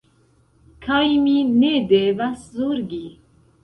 Kaj mi ne devas zorgi.